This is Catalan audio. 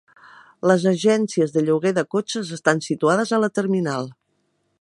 Les agències de lloguer de cotxes estan situades a la terminal.